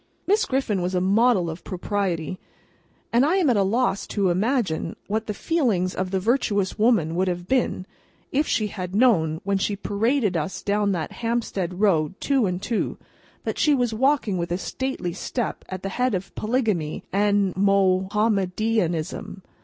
Miss Griffin was a model of propriety, and I am at a loss to imagine what the feelings of the virtuous woman would have been, if she had known, when she paraded us down the Hampstead Road two and two, that she was walking with a stately step at the head of Polygamy and Mahomedanism.